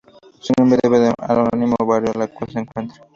Su nombre debe al homónimo barrio la cual se encuentra.